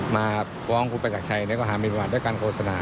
มาฟ้องคุณประจักรชัยในความผิดฐานมินประมาทโดยการโฆษณา